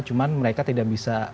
cuma mereka tidak bisa